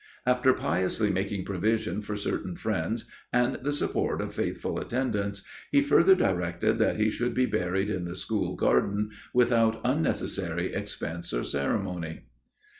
After piously making provision for certain friends and the support of faithful attendants, he further directed that he should be buried in the school garden without unnecessary expense or ceremony.